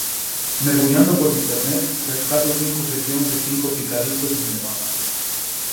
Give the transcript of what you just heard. Mergullando pola Internet, rescato cinco sesións de cinco picadiscos emblemáticos.